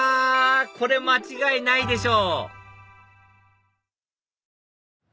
これ間違いないでしょ